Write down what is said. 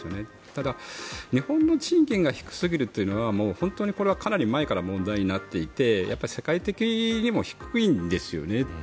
ただ、日本の賃金が低すぎるというのはこれはかなり前から問題になっていてやっぱり世界的にも低いんですよね。